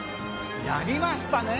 やりましたね！